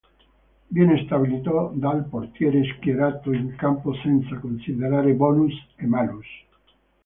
Viene stabilito dal portiere schierato in campo senza considerare bonus e malus.